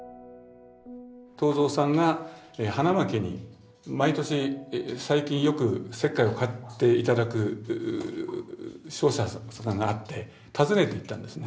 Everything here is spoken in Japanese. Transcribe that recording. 東蔵さんが花巻に毎年最近よく石灰を買って頂く商社さんがあって訪ねていったんですね。